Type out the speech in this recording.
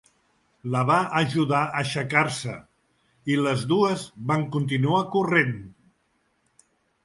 La va ajudar a aixecar-se i les dues van continuar corrent.